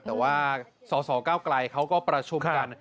แต่ว่าสสเก้าไกลเขาก็ประชุมกัน